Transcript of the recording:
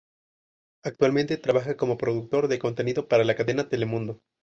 Actualmente trabaja como productor de contenido para la cadena Telemundo.